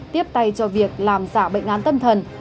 tiếp tay cho việc làm giả bệnh án tâm thần